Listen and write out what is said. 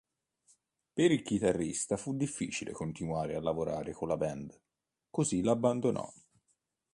Per il chitarrista fu difficile continuare a lavorare con la band, così la abbandonò.